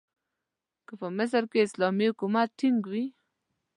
که په مصر کې اسلامي حکومت ټینګ وي.